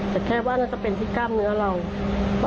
แต่แค่ว่าน่าจะเป็นที่กล้ามเนื้อเรา